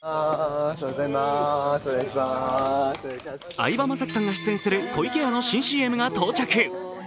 相葉雅紀さんが出演する湖池屋の新ＣＭが到着。